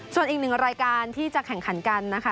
ส่วนอีกหนึ่งรายการที่จะแข่งขันกันนะคะ